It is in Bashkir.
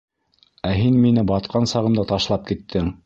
Ә һин мине батҡан сағымда ташлап киттең.